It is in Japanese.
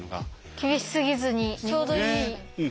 厳しすぎずにちょうどいい。